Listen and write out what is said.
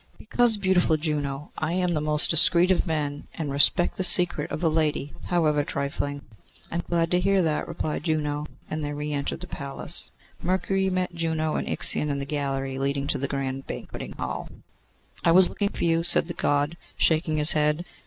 'Because, beautiful Juno, I am the most discreet of men, and respect the secret of a lady, however trifling.' 'I am glad to hear that,' replied Juno, and they re entered the palace. Mercury met Juno and Ixion in the gallery leading to the grand banqueting hall. 'I was looking for you,' said the God, shaking his head.